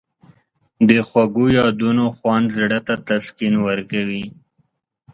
د خوږو یادونو خوند زړه ته تسکین ورکوي.